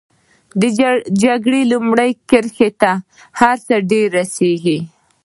د جګړې لومړۍ کرښې ته هر څه ډېر رسېږي.